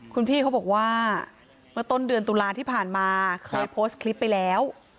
คุณพี่เขาบอกว่าเมื่อต้นเดือนตุลาที่ผ่านมาเคยโพสต์คลิปไปแล้ว